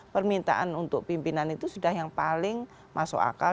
permintaan untuk pimpinan itu sudah yang paling masuk akal